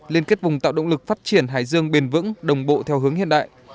liên kết vùng tạo động lực phát triển hải dương bền vững đồng bộ theo hướng hiện đại